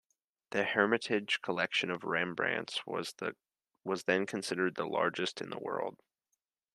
The Hermitage collection of Rembrandts was then considered the largest in the world.